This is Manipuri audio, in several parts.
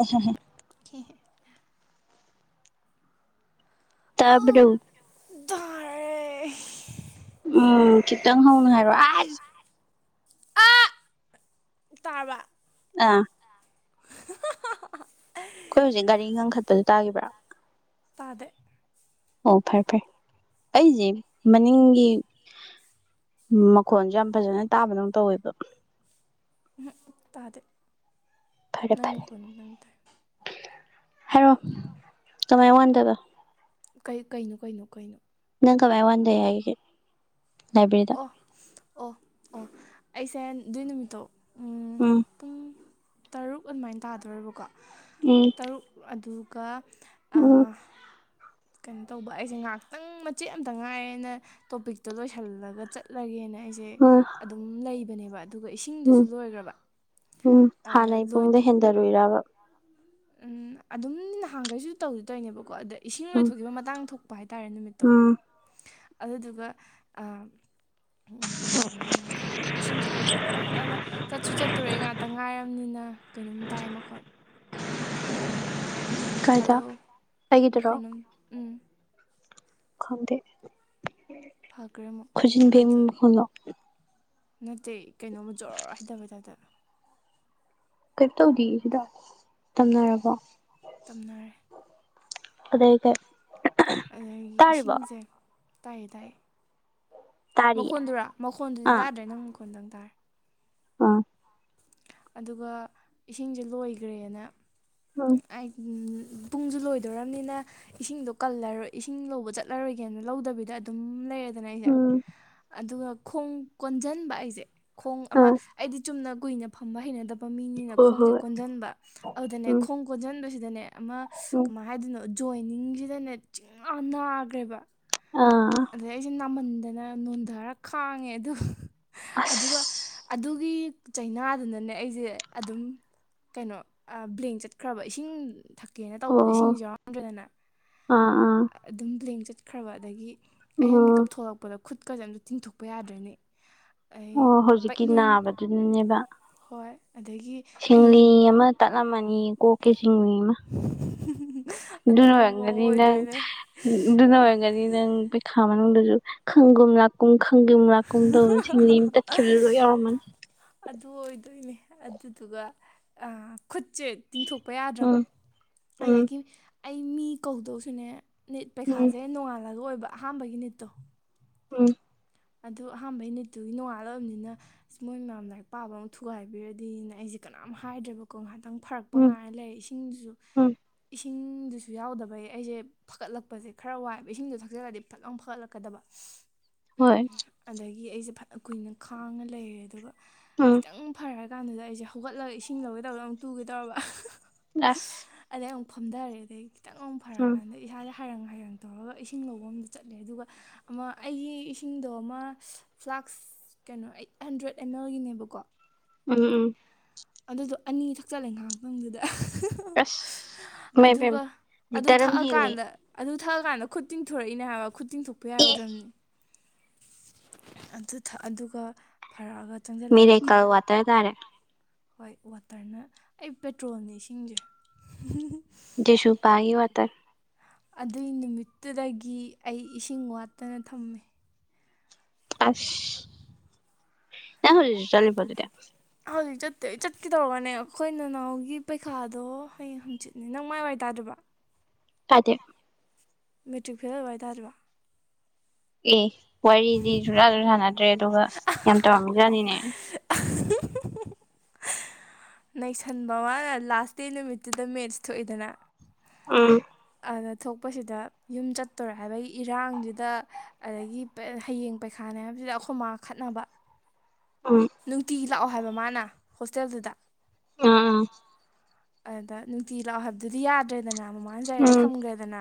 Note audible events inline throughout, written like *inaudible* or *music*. ꯑ ꯇꯥꯕ꯭ꯔꯣ ꯇꯦ ꯎꯝ ꯈꯤꯇꯪ ꯍꯧꯅ ꯍꯥꯏꯔꯣ ꯑ ꯇꯥꯕ ꯑ ꯑꯩꯈꯣꯏ ꯍꯧꯖꯤꯛ ꯒꯥꯔꯤ ꯉꯟꯈꯠꯄꯁꯨ ꯇꯥꯒꯤꯈꯤꯕ꯭ꯔꯥ ꯇꯥꯗ ꯑꯣ ꯐꯔꯦ ꯐꯔꯦ ꯑꯩꯁꯦ ꯃꯅꯤꯡꯒꯤ ꯎꯝ ꯃꯈꯣꯟꯁꯨ ꯌꯥꯝ ꯐꯖꯅ ꯇꯥꯕꯗꯧ ꯇꯧꯋꯦꯕ ꯇꯥꯗꯤ ꯐꯔꯦ ꯅꯪꯅꯨ ꯐꯔꯦ ꯀꯣꯅꯨ ꯅꯪ ꯇꯥꯏ ꯍꯥꯏꯔꯣ ꯇꯃꯥꯏ ꯋꯥꯟꯗꯕ ꯀꯩ ꯀꯩꯅꯣ ꯀꯩꯅꯣ ꯀꯩꯅꯣ ꯅꯪ ꯀꯃꯥꯏ ꯋꯥꯟꯗꯦ ꯍꯥꯏꯒꯦ ꯂꯥꯏꯕ꯭ꯔꯦꯔꯤꯗ ꯑꯣ ꯑꯣ ꯑꯣ ꯑꯩꯁꯦ ꯑꯗꯨꯏ ꯅꯨꯃꯤꯠꯇꯣ ꯎꯝ ꯄꯨꯡ ꯇꯔꯨꯛ ꯑꯗꯨꯃꯥꯏꯅ ꯇꯥꯗꯧꯕꯀꯣ ꯇꯔꯨꯛ ꯑꯗꯨꯒ ꯑꯣ ꯀꯩꯅꯣ ꯇꯧꯕ ꯑꯩꯁꯦ ꯉꯥꯏꯍꯥꯛꯇꯪ ꯃꯆꯦꯠ ꯑꯃꯇ ꯉꯥꯏꯌꯦꯦꯅ ꯇꯣꯄꯤꯛꯇꯣ ꯂꯣꯏꯁꯤꯜꯂꯒ ꯑꯗꯨꯒ ꯆꯠꯂꯒꯦꯅ ꯑꯩꯁꯦ ꯎꯝ ꯑꯗꯨꯝ ꯂꯩꯕꯅꯦꯕ ꯑꯗꯨꯒ ꯎꯝ ꯏꯁꯤꯡꯗꯨꯁꯨ ꯂꯣꯏꯈ꯭ꯔꯕ ꯎꯝ ꯑꯗ ꯍꯥꯟꯅꯩ ꯄꯨꯡꯗ ꯍꯦꯟꯊꯔꯨꯏꯔꯔꯕ ꯎꯝ ꯑꯗꯨꯝ ꯅꯍꯥꯟꯈꯩꯁꯨ ꯇꯧꯗꯤ ꯇꯧꯅꯦꯕꯀꯣ ꯑꯗ ꯏꯁꯤꯡ ꯎꯝ ꯑꯣꯏꯊꯣꯛꯈꯤꯕ ꯃꯇꯥꯡ ꯊꯣꯛ ꯍꯥꯏꯇꯥꯔꯦ ꯅꯨꯃꯤꯠꯇꯣ ꯎꯝ ꯑꯗꯨꯗꯨꯒ ꯍ ꯍꯥꯏꯩꯅ ꯑꯉꯥꯏꯅ ꯇꯧꯕꯔꯗ ꯏꯁꯤꯡꯁꯦ ꯂꯣꯏꯊꯣꯛꯈ꯭ꯔꯦ ꯑꯩꯅ ꯆꯠꯁꯨ ꯆꯠꯇꯣꯔꯦ ꯑꯩ ꯉꯥꯛꯇ ꯉꯥꯏꯔꯕꯅꯤꯅ ꯀꯩꯅꯣꯝ ꯇꯥꯏ ꯃꯈꯜ ꯀꯥꯏꯗ ꯍꯜꯂꯣ ꯃꯨ ꯑꯩꯒꯤꯗꯨꯔꯣ ꯈꯨꯨꯅꯝ ꯎꯝ ꯈꯗꯦ ꯐꯈ꯭ꯔꯦ ꯑꯃꯨꯛ ꯈꯖꯤꯂ ꯑꯗꯨ ꯅꯠꯇꯦ ꯀꯩꯅꯣꯝꯃ ꯖꯣꯔ ꯍꯥꯏꯩꯇꯕ ꯍꯥꯏꯇꯥꯗꯅ ꯀꯩꯅꯣ ꯇꯧꯗ ꯁꯤꯗ ꯇꯝꯅꯔꯕꯣ ꯇꯝꯅꯔꯦ ꯑꯗ ꯀ ꯑꯗꯨꯗꯒꯤ ꯏꯁꯤꯡꯁꯦ ꯇꯥꯏ ꯇꯥꯏ ꯇꯥꯔꯤꯌꯦ ꯃꯈꯣꯟꯜꯗꯨꯔꯥ ꯃꯈꯣꯟꯜꯗꯨꯗꯤ ꯑꯥ ꯇꯥꯗ꯭ꯔꯦ ꯅꯪ ꯃꯈꯣꯟꯜꯗꯪ ꯇꯥꯔꯦ ꯑꯥ ꯑꯗꯨꯒ ꯏꯁꯤꯡꯁꯦ ꯂꯣꯏꯈ꯭ꯔꯦꯅ ꯎꯝ ꯄꯨꯡꯁꯨ ꯂꯣꯏꯗꯣꯔꯅꯤꯅ ꯏꯁꯤꯡꯗꯣ ꯀꯜꯂꯔꯣꯏ ꯏꯁꯤꯡ ꯂꯧꯕ ꯆꯠꯂꯔꯣꯏꯒꯦꯅ ꯂꯧꯗꯕꯤꯗ ꯑꯗꯨꯝ ꯂꯩꯔ ꯑꯗꯨꯅ ꯑꯩꯁꯦ ꯎꯝ ꯑꯗꯨꯒ ꯈꯣꯡ ꯀꯣꯟꯁꯤꯟꯕ ꯑꯩꯁꯦ ꯈꯣꯡ ꯑꯃ ꯑꯥ ꯑꯩꯗꯤ ꯆꯨꯝꯅ ꯀꯨꯏꯅ ꯐꯝꯕ ꯍꯩꯅꯗꯕ ꯄ ꯃꯤꯅꯤꯅ ꯍꯣꯏ ꯈꯣꯡꯁꯦ ꯍꯣꯏ ꯀꯣꯟꯁꯤꯟꯕ ꯑꯗꯨꯗꯅꯦ ꯎꯝ ꯈꯣꯡ ꯀꯣꯟꯁꯤꯟꯕꯁꯤꯗꯅꯦ ꯑꯃ ꯎꯝ ꯀꯃꯥꯏ ꯍꯥꯏꯗꯣꯏꯅꯣ ꯖꯣꯏꯅꯤꯡꯁꯤꯗꯅꯦ ꯆꯤꯡ ꯌꯥꯝ ꯅꯥꯈ꯭ꯔꯦꯕ ꯑꯥ ꯍꯟꯗꯅ ꯅꯣꯟꯊꯔ ꯈꯥꯡꯉꯦ ꯑꯗꯨ ꯑꯗꯨꯒ ꯑꯁ ꯑꯗꯨꯒꯤ ꯆꯩꯅꯥꯗꯨꯅꯅꯦ ꯑꯩꯁꯦ ꯑꯗꯨꯝ ꯀꯩꯅꯣ ꯕ꯭ꯂꯦꯡ ꯆꯠꯈ꯭ꯔꯕ ꯏꯁꯤꯡ ꯀꯦꯅ ꯑꯣ ꯇꯧꯕꯗ ꯏꯁꯤꯡꯁꯨ ꯑꯥ ꯌꯥꯎꯔꯝꯗ꯭ꯔꯦꯗꯅ ꯑꯥ ꯑꯗꯨꯝ ꯄ꯭ꯂꯦꯡ ꯆꯠꯈ꯭ꯔꯕ ꯑꯗꯒꯤ ꯑꯩꯅ ꯃꯤꯀꯞ ꯎꯝ ꯊꯣꯛꯂꯛꯄꯗ ꯈꯨꯠꯀꯁꯦ ꯑꯝꯇ ꯇꯤꯡꯊꯣꯛꯄ ꯌꯥꯗ꯭ꯔꯦꯅꯦ ꯑꯩ ꯑꯣ ꯍꯧꯖꯤꯛꯀꯤ ꯄꯩꯅꯨꯡ ꯅꯥꯕꯗꯨꯅꯅꯦꯕ ꯍꯣꯏ ꯑꯗꯒꯤ ꯁꯤꯡꯂꯤ ꯍꯌꯦꯡ ꯑꯃ ꯇꯠꯂꯝꯃꯅꯤ ꯀꯣꯛꯀꯦ ꯁꯤꯡꯂꯤ ꯑꯃ ꯑꯗꯨꯒꯨꯝꯕ ꯑꯃ ꯅꯋꯦꯡꯒꯥꯗꯤ ꯅꯪ ꯑꯣꯏꯗꯣꯏꯅꯦ ꯅꯋꯒꯥꯅꯤ ꯅꯪ ꯈꯝ ꯗ ꯈꯪꯒ ꯂ ꯀꯨꯡ ꯈꯪꯒꯨꯝ ꯂꯥꯛꯀꯨꯝ ꯇꯧꯗ ꯁꯤꯡꯂꯤ ꯑꯃ ꯇꯠꯈꯤꯕꯗꯨ ꯂꯣꯏ ꯌꯥꯎꯔꯝꯃꯅꯤ ꯇ ꯑꯣꯏꯗꯣꯏꯅꯦ ꯑꯗꯨꯗꯨꯒ ꯈꯨꯆꯦꯛ ꯇꯤꯡꯊꯣꯛꯄ ꯌꯥꯗ꯭ꯔꯕ ꯎꯝ ꯎꯝ ꯑꯗꯒꯤ ꯑꯩ ꯃꯤ ꯀꯧꯗꯧꯁꯨꯅꯦ ꯅꯤꯠ ꯎꯝ ꯄꯩꯈꯥꯁꯦ ꯅꯣꯡꯉꯥꯜꯂꯒ ꯑꯣꯏꯕ ꯑꯍꯥꯥꯟꯕꯒꯤ ꯅꯤꯠꯇꯣ ꯎꯝ ꯑꯗꯣ ꯑꯍꯥꯟꯕꯩ ꯅꯨꯅꯤꯠꯇꯨꯒꯤ ꯅꯣꯡꯉꯥꯜꯂꯑꯕꯅꯤꯅ ꯑꯁ ꯃꯣꯏ ꯃꯌꯥꯝ ꯂꯥꯏꯔꯤꯛ ꯄꯥꯕ ꯑꯃꯨꯛ ꯊꯨꯒꯥꯏꯕꯤꯔꯗꯤꯅ ꯑꯩꯁꯦ ꯀꯅꯥꯝ ꯍꯥꯏꯗ꯭ꯔꯦꯕꯀꯣ ꯉꯥꯏꯍꯥꯛꯇꯪ ꯐꯔꯛꯄ ꯎꯝ ꯉꯥꯏꯔ ꯂꯩ ꯏꯁꯤꯡꯗꯨꯁꯨ ꯎꯝ *inaudible* ꯀꯁꯨ ꯌꯥꯎꯗꯕꯩ ꯑꯩꯁꯦ ꯐꯒꯠꯂꯛꯄꯁꯦ ꯈꯔ ꯋꯥꯏꯑꯕ ꯏꯁꯤꯡꯗꯣ ꯊꯛꯆꯜꯂꯗꯤ ꯐꯖ ꯑꯃ ꯐꯒꯠꯂꯛꯀꯗꯕ ꯍꯣꯏ ꯒꯤ ꯑꯩꯁꯦꯅ ꯀꯨꯏꯅ ꯈꯥꯡꯅ ꯂꯩꯔꯦ ꯑꯗꯨꯒ ꯎꯝ ꯈꯤꯇꯪ ꯐꯔ ꯀꯥꯟꯗꯨꯗ ꯑꯩꯁꯦ ꯍꯧꯒꯠꯂꯒ ꯏꯁꯤꯡ ꯂꯧꯒꯦ ꯇꯧꯕꯗ ꯑꯃꯨꯛ ꯇꯨꯒꯦ ꯇꯧꯔꯕ ꯂꯥꯁ ꯐꯝꯊꯔꯦꯗꯒꯤ ꯈꯤꯇꯪ ꯑꯃꯨꯛ ꯐꯔꯀꯥꯟꯗ ꯏꯁꯥ ꯍꯥꯏꯔꯪ ꯍꯥꯏꯥꯏꯔꯪ ꯇꯧꯔꯒ ꯏꯁꯤꯡ ꯂꯧꯕ ꯑꯃꯗ ꯆꯠꯂꯦ ꯑꯗꯨꯒ ꯑꯃ ꯑꯩꯒꯤ ꯏꯁꯤꯡꯗꯣ ꯑꯃ ꯐ꯭ꯂꯥꯛꯁ ꯀꯩꯅꯣ ꯑꯩꯠ ꯍꯟꯗ꯭ꯔꯦꯗ ꯑꯦꯝ ꯑꯦꯜꯒꯤꯅꯦꯕꯀꯣ ꯎꯝ ꯎꯝ ꯑꯗꯨꯗꯣ ꯑꯅꯤ ꯊꯣꯛꯛ ꯆꯠꯂꯦ ꯉꯥꯏꯍꯥꯛꯇꯪꯗꯨꯗ ꯑꯁ ꯏꯃꯥꯏ ꯑꯗꯨꯒ ꯄꯦꯝꯃ ꯑꯗꯨ ꯂꯤꯇꯔ ꯑꯃ ꯍꯦꯜꯂꯦ ꯊꯛꯑꯀꯥꯟꯗ ꯑꯗꯨ ꯊꯛꯑ ꯀꯥꯟꯗ ꯈꯨꯠ ꯇꯤꯡꯊꯣꯔꯛꯏꯅꯦ ꯍꯥꯏꯕ ꯈꯨꯠ ꯇꯤꯡꯊꯣꯛꯄ ꯑꯦ ꯌꯥꯔꯣꯏꯗ꯭ꯔꯕꯅꯤ ꯑꯗꯨꯒ ꯐꯔꯛꯑꯒ ꯆꯪꯁꯤꯜꯂꯒ ꯃꯤꯔꯦꯀꯜ ꯋꯥꯇꯔ ꯇꯥꯔꯦ ꯍꯣꯏ ꯋꯥꯇꯔꯅ ꯑꯩ ꯄꯦꯇ꯭ꯔꯣꯜꯅꯤ ꯏꯁꯤꯡꯁꯦ ꯁꯨꯨ ꯄꯒꯤ ꯋꯥꯇ ꯑꯗꯨꯏ ꯅꯨꯃꯤꯠꯇꯨꯗꯒꯤ ꯑꯩ ꯏꯁꯤꯡ ꯋꯥꯠꯇꯅ ꯊꯝꯃꯦ ꯑꯁ ꯅ ꯍꯧꯖꯤ ꯆꯠꯕꯗ ꯍꯧꯖꯤꯛ ꯆꯠꯇꯦ ꯆꯠꯀꯦ ꯇꯧꯔꯒꯅꯦ ꯑꯩꯈꯣꯏ ꯅꯅꯥꯎꯒꯤ ꯄꯩꯈꯥꯗꯣ ꯍꯌꯦꯡ ꯍꯪꯆꯤꯠꯅꯦ ꯅꯪ ꯃꯥꯏ ꯋꯥꯏ ꯇꯥꯗꯕ ꯑ ꯀꯗꯦ ꯃꯦꯇ꯭ꯔꯤꯛ ꯐꯦꯜ ꯑꯣꯏꯕ ꯍꯥꯏꯇꯥꯔꯤꯕ ꯑꯦ ꯋꯥꯔꯤꯗꯤ ꯁꯨꯡꯖꯥꯁꯨ ꯁꯥꯟꯅꯗ꯭ꯔꯦ ꯑꯗꯨꯒ ꯌꯥꯝ ꯇꯧꯔꯝꯃꯤꯖꯥꯠꯅꯤꯅꯦ *inaudible* ꯅꯩꯁꯟꯕ ꯃꯥꯅ ꯂꯥꯁ ꯗꯦ ꯅꯨꯃꯤꯠꯇꯨꯗ ꯃꯦꯠꯁ ꯊꯣꯛꯏꯦꯗꯅ ꯑꯥ ꯑꯗ ꯊꯣꯛꯄꯁꯤꯗ ꯌꯨꯝ ꯆꯠꯇꯣꯔꯦ ꯍꯥꯏꯕꯒꯤ ꯏꯔꯥꯡꯗꯨꯗ ꯑꯗꯒꯤ ꯍꯌꯦꯡ ꯄꯩꯈꯥꯅꯦ ꯍꯥꯏꯕꯁꯤꯗ ꯑꯩꯈꯣꯏꯃꯥ ꯈꯠꯅꯕ ꯎꯝ ꯅꯨꯡꯇꯤꯒꯤ ꯂꯥꯛꯑꯣ ꯍꯥꯏꯕ ꯃꯥꯅ ꯍꯣꯁꯇꯦꯜꯗꯨꯗ ꯑꯥ ꯑꯥ ꯑꯗ ꯅꯨꯡꯇꯤ ꯂꯥꯛꯑꯣ ꯍꯥꯏꯕꯗꯨꯗꯤ ꯌꯥꯗ꯭ꯔꯦꯗꯅ ꯃꯃꯥꯡꯖꯔꯦ ꯎꯝ ꯊꯝꯈ꯭ꯔꯦꯗꯅ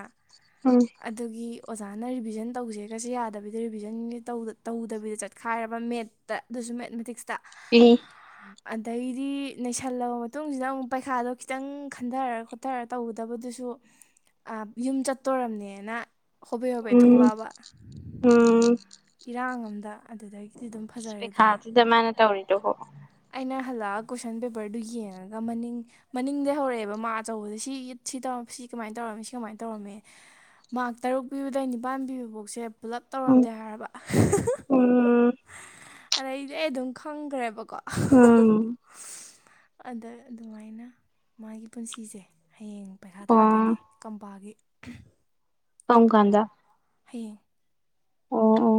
ꯎꯝ ꯑꯗꯨꯒꯤ ꯑꯣꯖꯥꯅ ꯔꯤꯚꯤꯖꯟ ꯇꯧꯁꯦꯒꯁ ꯌꯥꯗꯕꯤꯗ ꯔꯤꯚꯤꯖꯟꯒꯤ ꯇꯧꯗꯕꯤꯗ ꯆꯠꯈꯥꯏꯔꯕ ꯃꯦꯠꯇ ꯑꯗꯨ ꯁꯨ ꯃꯦꯠꯃꯦꯇꯤꯛꯁꯇ ꯑꯗꯩꯗꯤ ꯅꯩꯁꯜꯂꯕ ꯃꯇꯨꯡꯁꯤꯗ ꯑꯃꯨꯛ ꯄꯩꯈꯥꯗꯣ ꯈꯤꯇꯪ ꯈꯟꯊꯔ ꯈꯣꯠꯊꯔ ꯇꯧꯒꯗꯕꯗꯨꯁꯨ ꯌꯨꯝ ꯆꯠ ꯇꯧꯔꯝꯅꯦꯅ ꯍꯣꯕꯦ ꯍꯣꯕꯦ ꯎꯝ ꯎꯝ ꯊꯣꯛꯂꯛꯑꯕ ꯎꯝ ꯏꯔꯥꯡ ꯑꯝꯗ ꯗ ꯑꯗꯨꯗꯒꯤꯩ ꯄ ꯈꯥꯗ ꯃꯅ ꯇꯧꯔꯤꯗꯨꯣ ꯑꯩꯅ ꯍꯜꯂꯛꯑꯒ ꯀꯣꯏꯁꯟ ꯄꯦꯄꯔꯗꯨ ꯌꯦꯡꯉꯒ ꯃꯅꯤꯡ ꯃꯅꯤꯡꯗ ꯍꯧꯔꯛꯑꯦꯕ ꯃꯥ ꯑꯆꯧꯕꯁ ꯁꯤꯠ ꯁꯤ ꯇ ꯁꯤ ꯁꯤ ꯀꯃꯥꯏꯅ ꯇꯧꯔꯝꯃꯤ ꯁꯤ ꯀꯃꯥꯏꯅ ꯇꯧꯔꯝꯃꯤ ꯃꯥꯔ ꯇꯔꯨꯛ ꯄꯤꯕꯗꯩ ꯅꯤꯄꯥꯟ ꯄꯤꯕꯐꯥꯎꯁꯦ ꯄꯨꯂꯞ ꯇꯧꯔꯝꯗꯦ ꯎꯝ ꯍꯥꯏꯔꯕ ꯎꯝ ꯑꯗꯩꯗꯤ ꯑꯩ ꯑꯗꯨꯝ ꯈꯪꯈ꯭ꯔꯦꯕꯀꯣ ꯎꯝ ꯑꯗ ꯑꯗꯨꯃꯥꯏꯅ ꯃꯥꯒꯤ ꯄꯨꯟꯁꯤꯁꯦ ꯍꯌꯦꯡ ꯄꯩꯁꯥ ꯊꯥꯗꯣꯏꯅꯦ ꯑꯣ ꯀꯝꯄꯥꯒꯤ ꯀꯣꯡ ꯀꯥꯟꯗ ꯍꯌꯦꯡ ꯑꯣ ꯑꯣ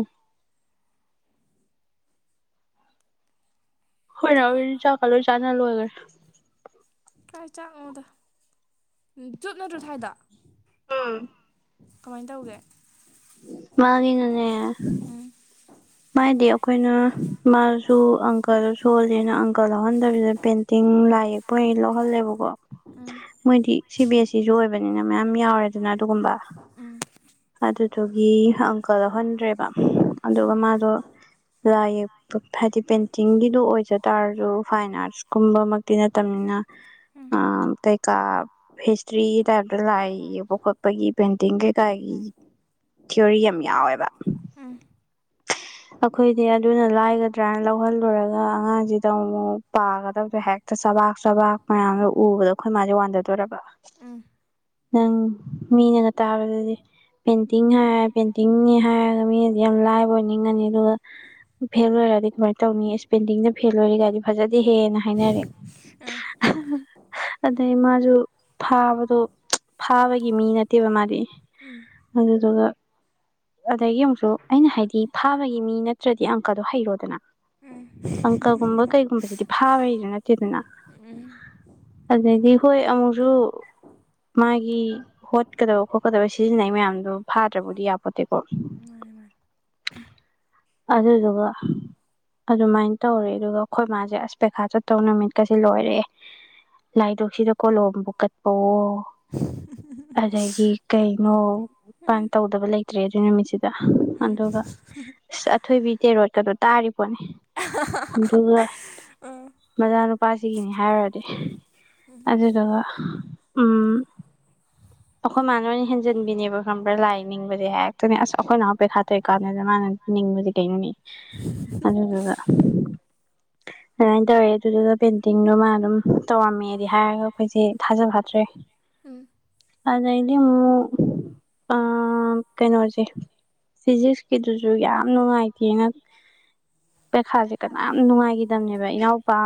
ꯍꯔ ꯑꯗꯨꯒ ꯑꯣꯏ ꯆ ꯀꯂꯣ ꯆ ꯂꯣ ꯑꯣꯏꯒꯦ ꯀꯥꯏ ꯆꯥꯛꯉꯣꯗ ꯎꯝ ꯆꯠꯅꯠꯇ꯭ꯔꯣ ꯊꯥꯏꯗ ꯑꯥ ꯀꯃꯥꯏꯅ ꯇꯧꯒꯦ ꯃꯥꯉꯦ ꯉꯅꯦ ꯎꯝ ꯃꯥꯗꯤ ꯑꯩꯈꯣꯏꯅ ꯃꯥꯁꯨ ꯑꯪꯀꯜ ꯁꯣꯜꯂꯤꯅ ꯑꯪꯀꯜ ꯌꯥꯎꯍꯟꯗꯕꯤꯗ ꯄꯦꯟꯇꯤꯡ ꯂꯥꯏ ꯌꯦꯛꯄ ꯑꯣꯏꯅ ꯂꯧꯍꯜꯂꯦꯕꯀꯣ ꯎꯝ ꯃꯣꯏꯗꯤ ꯁꯤ ꯕꯤ ꯑꯦꯁ ꯏꯁꯨ ꯑꯣꯏꯕꯅꯤꯅ ꯃꯌꯥꯝ ꯌꯥꯎꯔꯦ ꯑꯗꯨꯅ ꯑꯗꯨꯒꯨꯝꯕ ꯎꯝ ꯑꯗꯨꯗꯨꯒꯤ ꯑꯪꯀꯜ ꯂꯧꯎꯍꯟꯗ꯭ꯔꯦꯕ ꯑꯗꯨꯒ ꯃꯥ ꯑꯗꯣ ꯂꯥꯏ ꯌꯦꯛꯄ ꯍꯥꯏꯗꯤ ꯄꯦꯟꯇꯤꯡꯒꯤꯗꯣ ꯑꯣꯏꯖ ꯇꯥꯔꯁꯨ ꯐꯥꯏꯟ ꯑꯥꯔꯠ ꯀꯨꯝꯕꯃꯛꯇꯤ ꯅꯠꯇꯅꯤꯅ ꯎꯝ ꯎ ꯀꯩꯀꯥ ꯍꯤꯁꯇ꯭ꯔꯤ ꯇꯥꯏꯞꯇ ꯂꯥꯏ ꯌꯦꯕ ꯈꯣꯠꯄꯒꯤ ꯄꯦꯟꯇꯤꯡ ꯀꯩꯀꯥꯒꯤ ꯊꯤꯑꯣꯔꯤ ꯌꯥꯝ ꯌꯥꯎꯋꯦꯕ ꯎꯝ *inaudible* ꯑꯩꯈꯣꯏꯗꯤ ꯑꯗꯨꯅ ꯂꯥꯏꯒꯗ꯭ꯔꯅ ꯂꯧꯍꯜꯂꯨꯔꯒ ꯑꯉꯥꯡꯁꯤꯗ ꯑꯃꯨꯛ ꯄꯥꯒꯗꯕꯗꯣ ꯍꯦꯛꯇ ꯆ ꯆꯕꯥꯛ ꯆꯕꯥꯛ ꯃꯌꯥꯝꯒꯣ ꯎꯕꯗꯣ ꯑꯩꯈꯣꯏ ꯃꯥꯁꯦ ꯋꯥꯟꯊꯗꯣꯏꯔꯕ ꯅꯪ ꯃꯤꯅꯅ ꯇꯥꯕꯗꯗꯤ ꯄꯦꯟꯇꯤꯡ ꯍꯥꯏꯔ ꯄꯦꯟꯇꯤꯡꯅꯤ ꯍꯥꯏꯔꯒ ꯃꯤꯁ ꯌꯥꯝ ꯂꯥꯏꯕ ꯑꯣꯏꯅ ꯉꯅꯤ ꯑꯗꯨꯒ ꯐ ꯑꯣꯏꯔꯗꯤꯃꯥꯏ ꯇꯧꯅꯤ ꯄꯦꯟꯗꯤꯡꯅ ꯐꯦꯜ ꯑꯣꯏꯔꯤꯒꯥꯏꯗꯤ ꯐꯖꯗꯤ ꯍꯦꯅ ꯍꯥꯏꯅꯔꯦ ꯎꯝ ꯑꯗꯩ ꯃꯥꯁꯨ ꯐꯥꯕꯗꯣ ꯐꯥꯕ ꯒꯤ ꯃꯤ ꯅꯠꯇꯦꯕ ꯃꯥꯗꯤ ꯎꯝ ꯑꯗꯨꯗꯨꯒ ꯑꯗꯒꯤ ꯑꯃꯨꯛꯁꯨ ꯑꯩꯅ ꯍꯥꯏꯗꯤ ꯊꯥꯕꯒꯤ ꯃꯤ ꯅꯠꯇ꯭ꯔꯗꯤ ꯑꯪꯀꯗꯣ ꯍꯩꯔꯣꯗꯅ ꯄꯪꯀꯒꯨꯝꯕ ꯀꯩꯒꯨꯝꯕꯁꯤꯗꯤ ꯐꯥꯕꯩꯗꯨꯣ ꯅꯠꯇꯦꯗꯅ ꯎꯝ ꯑꯗꯒꯤ ꯍꯣꯏ ꯑꯃꯨꯛꯁꯨ ꯃꯥꯒꯤ ꯍꯣꯠꯀꯗꯕ ꯈꯣꯠꯀꯗꯕ ꯁꯤꯖꯤꯟꯅꯩ ꯃꯌꯥꯝꯗꯣ ꯐꯥꯗ꯭ꯔꯕꯨꯗꯤ ꯌꯥ ꯃꯥꯅꯦ ꯃꯥꯅꯦ ꯑꯗꯨꯗꯨꯒ ꯑꯗꯨꯃꯥꯏꯅ ꯇꯧꯔꯦ ꯑꯗꯨꯒ ꯑꯩꯈꯣꯏ ꯃꯥꯁꯦ ꯑꯁꯄꯦꯈꯥ ꯆꯠ ꯇꯧ ꯅꯨꯃꯤꯠꯀꯁꯦ ꯂꯣꯏꯔꯛꯑꯦ ꯂꯥꯏꯗꯣꯛꯁꯤꯗ ꯀꯣꯂꯣꯝꯕꯨ ꯀꯠꯄꯋ ꯑꯗꯒꯤ ꯀꯩꯅꯣ ꯇꯧꯗꯕ ꯂꯩꯇ꯭ꯔꯦ ꯑꯗꯨꯏ ꯅꯨꯃꯤꯠꯁꯤꯗ ꯑꯗꯨꯒ ꯑꯁ ꯑꯊꯣꯏꯕꯤ ꯇꯦꯔꯣꯠꯀꯗꯣ ꯇꯥꯔꯤꯄꯣꯠꯅꯦ ꯑꯗꯨꯒ ꯃꯆꯥꯅꯨꯄꯥꯁꯤꯒꯤꯅꯤ ꯍꯥꯏꯔꯨꯔꯗꯤ ꯑꯗꯨꯗꯨꯒ ꯎꯝ ꯑꯩꯈꯣꯏ ꯃꯅꯅ ꯍꯦꯟꯖꯟꯕꯤꯅꯦꯕ ꯈꯪꯕ꯭ꯔꯥ ꯂꯥꯏ ꯅꯤꯡꯕꯗꯤ ꯍꯦꯛꯇꯅꯦ ꯑꯁ ꯑꯩꯈꯣꯏꯅ ꯍꯥꯞꯄꯦꯠ ꯈꯥꯇꯦꯩ ꯀꯥꯟꯗꯗ ꯃꯥꯅ ꯅꯤꯡꯕꯗꯤ ꯀꯩꯅꯣꯅꯤ ꯑꯗꯨꯗꯨꯗ ꯑꯗꯨꯃꯥꯏꯅ ꯇꯧꯔꯦ ꯑꯗꯨꯗꯨꯗ ꯄꯦꯟꯇꯤꯡꯗꯨꯣ ꯃꯥ ꯑꯗꯨꯝ ꯇꯧꯔꯝꯃꯦꯗꯤ ꯍꯥꯏꯔꯒ ꯑꯩꯈꯣꯏꯁꯦ ꯊꯥꯖ ꯐꯗ꯭ꯔꯦ ꯎꯝ ꯑꯅ ꯑ ꯀꯩꯅꯣ ꯐꯖꯤ ꯀꯗꯨꯁꯨ ꯌꯥꯝ ꯅꯨꯡꯉꯥꯏꯇꯦꯅ ꯄꯩꯈꯥꯁꯦ ꯀꯅꯥ ꯅꯨꯡꯉꯥꯏꯈꯤꯗꯕꯅꯦꯕ ꯏꯅꯥꯎꯄꯥ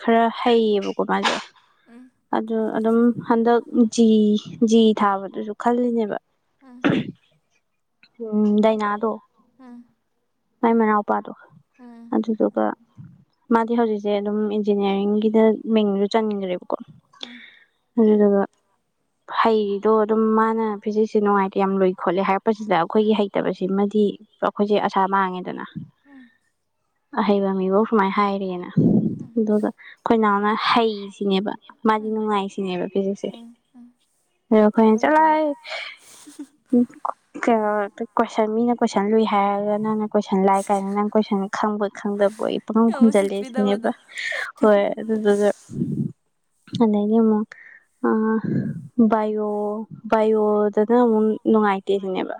ꯈꯔ ꯍꯩꯌꯦꯕꯀꯣ ꯃꯥꯁꯦ ꯎꯝ ꯑꯗꯨ ꯑꯗꯨꯝ ꯍꯟꯗꯛ ꯖꯤ ꯖꯤ ꯊꯥꯕꯗꯨꯁꯨ ꯈꯜꯂꯤꯅꯦꯕ ꯎꯝ ꯎꯝ ꯗꯥꯏꯅꯥꯗꯣ ꯎꯝ ꯅꯨꯄꯥꯗꯣ ꯑꯗꯨꯗꯨꯒ ꯃꯥꯗꯤ ꯍꯧꯖꯤꯛꯁꯦ ꯑꯗꯨꯝ ꯏꯟꯖꯤꯅꯤꯌꯥꯔꯤꯡꯒꯤꯗ ꯃꯤꯡꯁꯨ ꯆꯟꯈ꯭ꯔꯦꯕꯀꯣ ꯎꯝ ꯑꯗꯨ ꯑꯗꯨꯒ ꯍꯩꯗꯣ ꯑꯗꯨꯝ ꯃꯥꯅ ꯐꯤꯖꯤꯛꯁꯦ ꯅꯨꯡꯉꯥꯏꯇ ꯌꯥꯝ ꯂꯨꯏ ꯈꯣꯠꯂꯦ ꯍꯥꯏꯔꯛꯄꯁꯤꯗ ꯑꯩꯈꯣꯏꯒꯤ ꯍꯩꯇꯕꯁꯤ ꯁꯤꯃꯗꯤ ꯑꯩꯈꯣꯏꯁꯦ ꯑꯁꯥ ꯃꯥꯡꯉꯦꯗꯅ ꯑꯍꯩꯕ ꯧ ꯁꯨꯃꯥꯏꯅ ꯍꯥꯏꯔꯦꯅ ꯑꯗꯨꯒ ꯑꯩꯈꯣꯏꯅꯥꯎꯅ ꯍꯩꯁꯤꯅꯦꯕ ꯃꯥꯗꯤ ꯅꯨꯡꯉꯥꯏꯁꯤ ꯁꯤꯅꯦꯕ ꯄꯤꯖꯤꯛꯁꯦ ꯎꯝ ꯈ ꯆꯂ ꯊꯥꯖꯕꯤꯗ꯭ꯔꯕ ꯀ ꯀꯁ ꯃꯤꯅ ꯀ ꯀꯣꯏꯁꯟ ꯂꯨꯏ ꯍꯥꯏꯔꯒ ꯅꯪꯅ ꯁꯀꯣꯏꯁꯟ ꯂꯥꯏ ꯀꯥꯏꯗꯅ ꯅꯪ ꯀꯣꯏꯁꯟ ꯈꯪꯕ ꯈꯪꯗꯕ ꯑꯩ ꯄꯪꯈꯪ ꯌꯦꯡꯉꯣ ꯈꯨꯝꯖꯤꯜꯂꯦ ꯁꯤꯅꯦꯕ ꯎꯁꯤꯠꯄꯤꯗꯕꯗꯣ ꯍꯣꯏ ꯑꯗꯨꯗꯨꯒ ꯑꯗꯤ ꯑ ꯌꯣ ꯌꯣꯗ ꯅꯨꯡꯉꯥꯏꯇꯦ ꯁꯤꯅꯦꯕ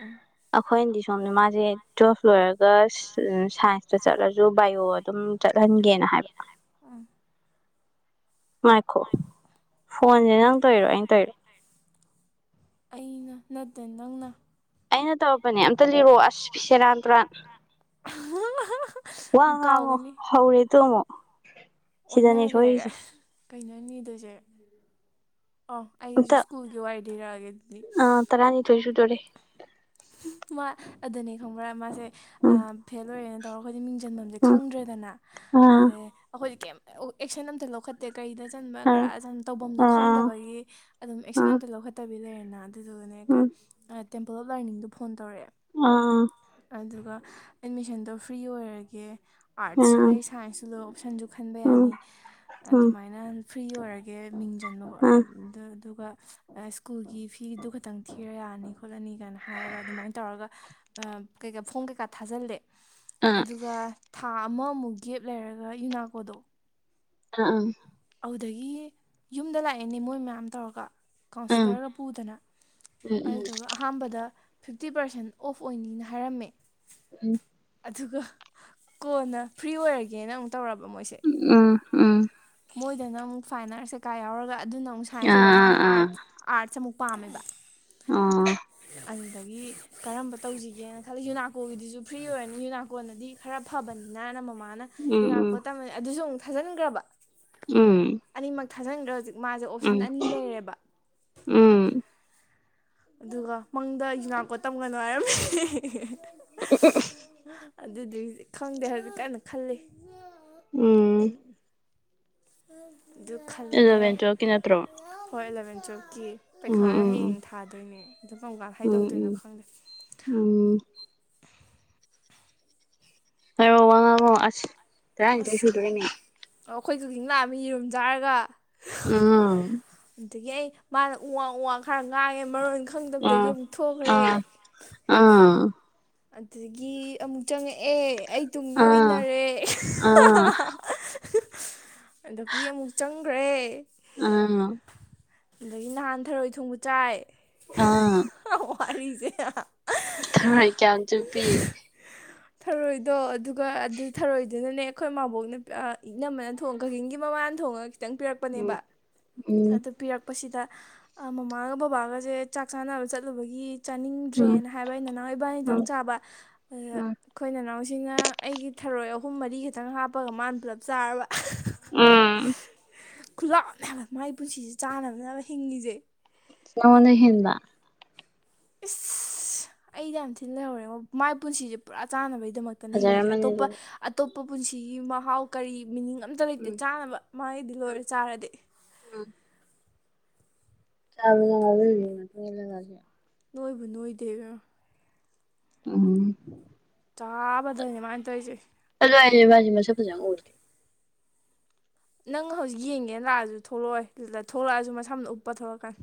ꯎꯝ ꯑꯩꯈꯣꯏꯅꯗꯤ ꯁꯣꯝꯗ ꯃꯥꯁꯦ ꯇꯨꯋꯦꯜꯐ ꯂꯣꯏꯔꯒ ꯁꯥꯏꯟꯁꯇ ꯆꯠꯂꯁꯨ ꯕꯥꯏꯑꯣ ꯑꯗꯨꯝ ꯆꯠꯂ ꯍꯤꯡꯒꯦꯅ ꯍꯥꯏꯕ ꯎꯝ ꯃꯥꯏꯈꯣ ꯐꯣꯟꯁꯦ ꯅꯪ ꯇꯣꯏꯔꯣ ꯑꯩꯅ ꯇꯧꯔꯣ ꯑꯩꯅ ꯅꯠꯇꯦ ꯅꯪꯅ ꯑꯩꯅ ꯇꯧꯔꯕꯅꯦ ꯑꯝꯇ ꯂꯤꯔꯛꯑꯣ ꯑꯁ ꯄꯤꯁꯦꯔꯥꯟ ꯇꯨꯔꯥꯟ ꯋꯥ ꯋꯥꯉꯣ ꯍꯧꯔꯦ ꯇꯣꯃꯣ ꯑꯣꯟꯅꯔꯦ ꯀꯩꯅꯅꯤꯗꯨꯁꯦ ꯑꯣ ꯑꯩꯁꯨ ꯑꯝꯇ ꯁ꯭ꯀꯨꯜꯒꯤ ꯋꯥꯔꯤ ꯂꯩꯔꯛꯑꯒꯦ ꯑꯗꯨꯗꯤ ꯑꯥ ꯇꯔꯥꯅꯤꯊꯣꯏ ꯁꯨꯗꯣꯔꯦ ꯃꯥ ꯑꯗꯨꯅꯤ ꯈꯪꯕ꯭ꯔꯥ ꯃꯥꯁꯦ ꯎꯝ ꯐꯦꯜ ꯑꯣꯏꯔꯦꯅ ꯇꯧꯔ ꯈ ꯃꯤꯡꯁꯤꯟꯐꯝꯁꯦ ꯎꯝ ꯈꯪꯗ꯭ꯔꯦꯗꯅ ꯑꯥ ꯑꯗꯩ ꯑꯩꯈꯣꯏꯗꯤ ꯀꯩꯝ ꯑꯦꯛꯁꯟ ꯑꯝꯇ ꯂꯧꯈꯠꯇꯦ ꯀꯩꯗ ꯆꯟꯕ ꯑꯥ ꯀꯔꯥ ꯇꯧꯐꯝꯁꯨ ꯑꯥ ꯈꯪꯗꯕꯒꯤ ꯑꯗꯨꯝ ꯑꯦꯛꯁꯟ ꯑꯥ ꯑꯝꯇ ꯂꯧꯈꯠꯇꯕꯤ ꯂꯩꯔꯦꯅ ꯑꯗꯨꯗꯨꯅꯦ ꯀ ꯎꯝ ꯇꯦꯝꯄꯜ ꯑꯣꯐ ꯂꯥꯏꯔꯅꯤꯡꯗꯣ ꯐꯣꯟ ꯇꯧꯔꯛꯑꯦ ꯑꯥ ꯑꯥ ꯑꯗꯨꯒ ꯑꯦꯠꯃꯤꯁꯟꯗꯣ ꯐ꯭ꯔꯤ ꯑꯣꯏꯔꯒꯦ ꯑꯥꯔꯠꯁꯨ ꯂꯩ ꯁꯥꯏꯟꯁꯁꯨ ꯂꯩ ꯑꯣꯞꯁꯟꯁꯨ ꯈꯟꯕ ꯎꯝ ꯌꯥꯅꯤ ꯎꯝ ꯑꯗꯨꯃꯥꯏꯅ ꯐ꯭ꯔꯤ ꯑꯣꯏꯔꯒꯦ ꯃꯤꯡ ꯆꯟꯕ ꯎꯝ ꯑꯗꯨꯒ ꯁ꯭ꯀꯨꯜꯒꯤ ꯐꯤꯗꯨ ꯈꯇꯪ ꯊꯤꯔ ꯌꯥꯔꯅꯤ ꯈꯣꯠꯂꯅꯤ ꯀꯥꯏꯅ ꯍꯥꯏꯔꯒ ꯑꯗꯨꯃꯥꯏꯅ ꯇꯧꯔꯒ ꯀꯩꯀꯥ ꯐꯣꯡ ꯀꯩꯀꯥ ꯊꯥꯖꯤꯜꯂꯦ ꯑꯥ ꯑꯥ ꯑꯗꯨꯒ ꯊꯥ ꯑꯃꯃꯨꯛ ꯒꯦꯞ ꯂꯩꯔꯒ ꯌꯨꯅꯥꯀꯣꯗꯣ ꯑꯥ ꯑ ꯑꯗꯨꯗꯒꯤ ꯌꯨꯝꯗ ꯂꯥꯛꯑꯦꯅꯦ ꯃꯣꯏ ꯃꯌꯥꯝ ꯇꯧꯔꯒ ꯎꯝ ꯀꯥꯎꯟꯁꯤꯜꯂꯔꯒ ꯄꯨꯗꯅ ꯎꯝ ꯑꯗꯨꯗꯨꯒ ꯑꯍꯥꯟꯕꯗ ꯐꯤꯞꯇꯤ ꯄꯥꯔꯁꯦꯟ ꯑꯣꯐ ꯑꯣꯏꯅꯤꯅ ꯍꯥꯏꯔꯝꯃꯦ ꯎꯝ ꯑꯗꯨꯒ ꯀꯣꯟꯅ ꯐ꯭ꯔꯤ ꯑꯣꯏꯔꯒꯦꯅ ꯑꯃꯨꯛ ꯇꯧꯔꯕ ꯃꯣꯏꯁꯦ ꯎꯝ ꯎꯝ ꯃꯣꯏꯗꯅ ꯑꯃꯨꯛ ꯐꯥꯏꯟ ꯑꯥꯔꯠꯁ ꯀꯩꯀꯥ ꯌꯥꯎꯔꯒ ꯑꯗꯨꯅ ꯑꯃꯨꯛ ꯁꯥꯏꯟꯁ ꯑꯣꯏꯕ ꯑꯥ ꯃꯥꯅ ꯑꯥ ꯑꯥꯔꯠꯁ ꯑꯥꯔꯠꯁꯦ ꯑꯃꯨꯛ ꯄꯥꯝꯃꯦꯕ ꯑꯣ ꯑꯗꯨꯗꯒꯤ ꯀꯔꯝꯕ ꯇꯧꯁꯤꯒꯦꯅ ꯈꯜꯜꯂꯤ ꯌꯨꯅꯥꯀꯣꯒꯤꯗꯨꯁꯨ ꯐ꯭ꯔꯤ ꯑꯣꯏꯔꯅꯤ ꯌꯨꯅꯥꯀꯣꯅꯗꯤ ꯈꯔ ꯐꯕꯅꯤ ꯅꯥꯅ ꯃꯃꯥꯅ ꯌ ꯉꯥꯛꯄꯣ ꯎꯝ ꯇꯝꯕꯅꯤ ꯑꯗꯨꯁꯨ ꯑꯃꯨꯛ ꯊꯥꯖꯤꯟꯈ꯭ꯔꯕ ꯎꯝ ꯊꯥꯖꯟꯗ꯭ꯔ ꯍꯧꯖꯤꯛ ꯃꯥꯁꯦ ꯎꯝ ꯑꯣꯞꯁꯟ ꯑꯅꯤ ꯂꯩꯔꯦꯕ ꯎꯝ ꯑꯗꯨꯒ ꯃꯪꯗ ꯌꯨꯅꯥꯀꯣ ꯇꯝꯒꯅꯨ ꯍꯥꯏꯔꯝ *inaudible* ꯑꯗꯨꯒꯤꯗꯤ ꯈꯪꯗꯦ ꯍꯧꯖꯤꯛ ꯀꯥꯏꯅ ꯈꯜꯂꯤ ꯎꯝ ꯑꯗꯨ ꯑꯗꯨꯗꯣꯕꯦꯟꯇꯣ ꯀꯅꯠꯇ꯭ꯔꯣ ꯣꯟꯆꯣꯞꯀꯤ ꯄꯩꯈꯥꯅ ꯍꯌꯦꯡ ꯊꯥꯗꯣꯏꯅꯦ ꯑꯗꯨ ꯄꯪꯀꯥꯟ ꯎꯝ ꯍꯥꯏꯗꯣꯛꯇꯣꯏꯅꯣ ꯎꯝ ꯈꯪꯗꯦ ꯎꯝ ꯍꯣ ꯋꯥꯉ ꯑꯁ ꯇ ꯁꯨꯗꯔꯤꯅꯤ ꯑꯣ ꯑꯩꯈꯣꯏ ꯀꯛꯆꯤꯡ ꯂꯥꯛꯑꯃꯤ ꯌꯦꯔꯨꯝ ꯆꯥꯔꯒ ꯑꯥ ꯑꯗꯨꯗꯒꯤ ꯑꯩ ꯃꯥꯅ ꯎ ꯋꯥ ꯎ ꯋꯥ ꯈꯔ ꯉꯥꯡꯉꯦ ꯃꯔ ꯑꯣꯏ ꯈꯪꯗꯕꯗꯒꯤ ꯑꯥ ꯑꯃꯨꯛ ꯊꯣꯛꯈ꯭ꯔꯦ ꯑꯥ ꯑꯥ ꯑꯗꯨꯗꯒꯤ ꯑꯃꯨꯛ ꯆꯪꯉꯛꯦ ꯑꯩ ꯇꯨꯡꯗ ꯑꯥ ꯏꯟꯅꯔꯦ ꯑꯥ ꯑꯗꯒꯤ ꯑꯃꯨꯛ ꯆꯪꯈ꯭ꯔꯦ ꯑꯥ ꯑꯗꯒꯤ ꯅꯍꯥꯟ ꯊꯔꯣꯏ ꯊꯣꯡꯕ ꯆꯥꯏ ꯑꯥ ꯋꯥꯔꯤꯁꯦ ꯊꯔꯣꯏ ꯀꯌꯥꯝ ꯆꯨꯞꯄꯤ ꯊꯔꯣꯏꯗꯣ ꯑꯗꯨꯒ ꯑꯗꯨ ꯊꯔꯣꯏꯗꯨꯅꯅꯦ ꯑꯩꯈꯣꯏ ꯃꯕꯣꯛꯅ ꯏꯅꯝꯝꯕꯅ ꯊꯣꯡ ꯀꯛꯆꯤꯡꯒꯤ ꯃꯃ ꯃꯄꯥꯟ ꯊꯣꯡꯉꯒ ꯈꯤꯇꯪ ꯎꯝ ꯄꯤꯔꯛꯄꯅꯦꯕ ꯎꯝ ꯑꯗꯨ ꯄꯤꯔꯛꯄꯁꯤꯗ ꯃꯃꯥꯒ ꯕꯕꯥꯒꯁꯦ ꯆꯥꯛ ꯆꯥꯅꯕ ꯆꯠꯂꯨꯕꯒꯤ ꯎꯝ ꯆꯥꯅꯤꯡꯗ꯭ꯔꯦꯅ ꯍꯥꯏꯕꯒꯤꯩꯅ ꯅꯅꯥꯎ ꯏꯕꯥꯅꯤꯇꯪ ꯎꯝ ꯆꯥꯕ ꯎꯝ ꯏꯤꯟ ꯏꯅꯥꯎꯁꯤꯅ ꯑꯩꯒꯤ ꯊꯔꯣꯏ ꯑꯍꯨꯝ ꯃꯔꯤ ꯇꯪ ꯍꯥꯞꯄꯒ ꯃꯥꯅ ꯄꯨꯜꯂꯞ ꯆꯥꯔꯕ ꯎꯝ ꯈꯨꯠꯂꯥꯛꯅꯦ ꯍꯥꯏꯕ ꯃꯥꯒꯤ ꯄꯨꯟꯁꯤꯁꯦ ꯆꯥꯟꯅꯗꯅꯕ ꯍꯤꯡꯉꯤꯁꯦ ꯅꯣꯅꯦ ꯍꯕ ꯏꯁꯁ ꯑꯩꯗꯤ ꯌꯥꯝ ꯊꯤꯜ ꯂꯩꯍꯧꯔꯦꯕ ꯃꯥꯏ ꯄꯨꯟꯁꯤꯁꯦ ꯄꯨꯔꯥ ꯆꯥꯟꯅꯕꯩ ꯒꯤ ꯗꯗꯃꯛꯇꯅ ꯍꯤꯡꯉꯤꯁꯦ ꯐꯖꯔꯝꯃꯅꯤ ꯑꯇꯣꯞꯄ ꯑꯗꯨꯗꯤ ꯑꯇꯣꯞꯄ ꯄꯨꯟꯁꯤꯒꯤ ꯃꯍꯥꯎ ꯀꯔꯤ ꯃꯤꯅꯤꯡ ꯑꯝꯇ ꯂꯩꯇꯦ ꯎꯝ ꯆꯥꯅꯕ ꯃꯥꯒꯤꯗꯤ ꯎꯝ ꯂꯣꯏꯔꯦ ꯆꯥꯔꯗꯤ ꯎꯝ ꯆꯥꯕ ꯅꯣꯏꯕꯨ ꯅꯣꯏꯗꯦ ꯎꯝ ꯆꯥꯕꯗꯅꯦꯃꯥꯏꯅ ꯇꯧꯔꯤꯁꯦ ꯑꯖ ꯃ ꯁꯖꯥꯗꯤ ꯅꯪ ꯍꯧꯖꯤꯛ ꯌꯦꯡꯒꯦꯅ ꯂꯥꯛꯑꯁꯨ ꯊꯣꯛꯂꯛꯑꯣꯏ ꯊꯣꯛꯂꯛꯑꯁꯨ ꯃꯁꯥꯝꯅ ꯎꯞꯄ ꯊꯣꯛꯂꯛꯀꯥꯟ